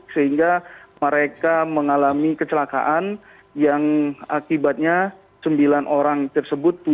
sehingga mereka mengalami kecelakaan yang akibatnya sembilan orang tersebut